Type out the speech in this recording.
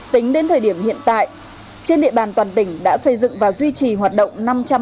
tính đến thời điểm hiện tại trên địa bàn toàn tỉnh đã xây dựng và duy trì hoạt động năm trăm linh